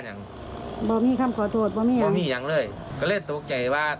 ยังผีนครับ